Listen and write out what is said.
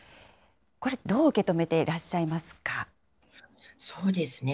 これ、どう受け止めていらっしゃそうですね。